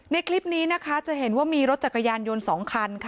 ในคลิปนี้นะคะจะเห็นว่ามีรถจักรยานยนต์๒คันค่ะ